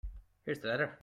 Here is the letter.